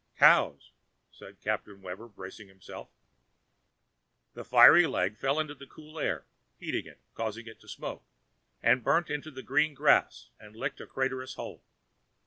"Cows," said Captain Webber bracing himself. The fiery leg fell into the cool air, heating it, causing it to smoke; it burnt into the green grass and licked a craterous hole.